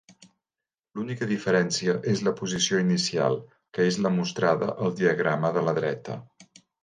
L'única diferència és la posició inicial, que és la mostrada al diagrama de la dreta.